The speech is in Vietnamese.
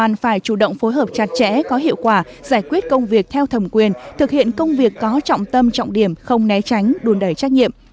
cần phải chủ động phối hợp chặt chẽ có hiệu quả giải quyết công việc theo thẩm quyền thực hiện công việc có trọng tâm trọng điểm không né tránh đùn đẩy trách nhiệm